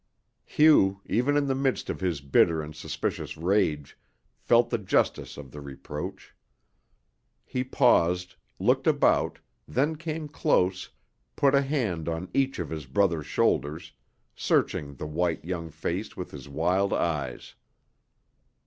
Hugh, even in the midst of his bitter and suspicious rage, felt the justice of the reproach. He paused, looked about, then came close, put a hand on each of his brother's shoulders, searching the white, young face with his wild eyes.